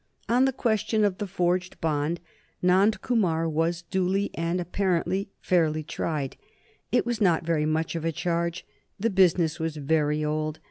On the question of the forged bond Nand Kumar was duly and apparently fairly tried. It was not very much of a charge. The business was very old.